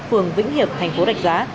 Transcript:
phường vĩnh hiệp thành phố rạch giá